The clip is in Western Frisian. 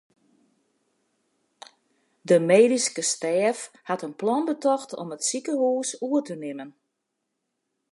De medyske stêf hat in plan betocht om it sikehús oer te nimmen.